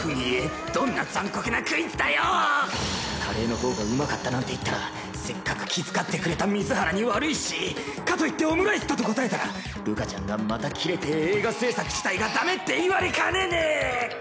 カレーの方が旨かったなんて言ったらせっかく気遣ってくれた水原に悪いしかといってオムライスだと答えたらるかちゃんがまたキレてカカレーかな？ははっ。